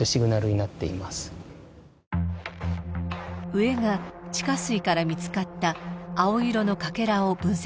上が地下水から見つかった青色のかけらを分析したもの。